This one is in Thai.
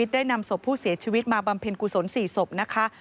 เพื่อนบ้านของผู้เสียชีวิตมาบำเพ็ญกุศลสี่ศพนะคะ